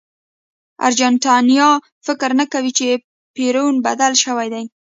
ارجنټاینان فکر نه کوي چې پېرون بدل شوی دی.